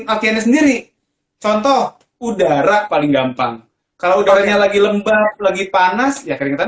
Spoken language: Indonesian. alkun sendiri contoh udara paling gampang kalau barangnya lagi lembab dan lebih panas yekira